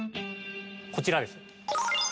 こちらです。